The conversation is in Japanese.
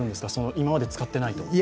今まで使ってないと。